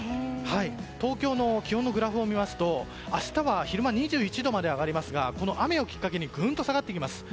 東京の気温のグラフを見ますと明日は昼間は２１度まで上がりますがこの雨をきっかけにグンと下がってきます。